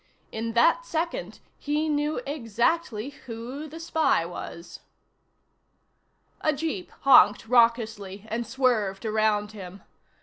In that second, he knew exactly who the spy was. A jeep honked raucously and swerved around him.